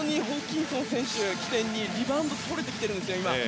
ただ、本当にホーキンソン選手を起点にリバウンドがとれてきてるんですよ。